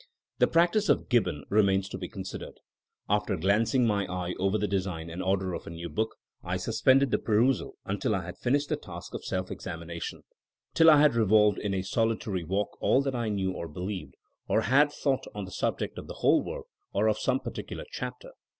The practice of Gibbon remains to be consid ered :After glancing my eye over the design and order of a new book, I suspended the per usal until I had finished the task of self examina tion; till I had revolved in a solitary walk all that I knew or believed, or had thought on the subject of the whole work, or of some particular chapter.